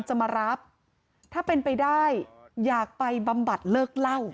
จะมารับถ้าเป็นไปได้อยากไปบำบัดเลิกเล่า